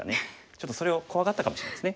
ちょっとそれを怖がったかもしれないですね。